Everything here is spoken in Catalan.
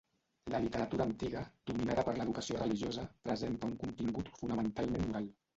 La literatura antiga, dominada per l'educació religiosa, presenta un contingut fonamentalment moral.